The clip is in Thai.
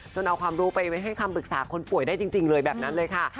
เอาความรู้ไปให้คำปรึกษาคนป่วยได้จริงเลยแบบนั้นเลยค่ะ